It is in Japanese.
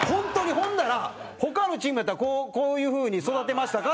ほんなら、他のチームやったらこういう風に座ってましたか？